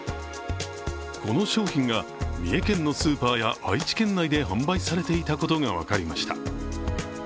この商品が、三重県のスーパーや愛知県内で販売されていたことが分かりました。